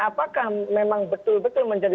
apakah memang betul betul menjadi